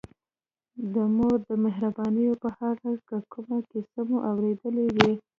د مور د مهربانیو په اړه که کومه کیسه مو اورېدلې وي.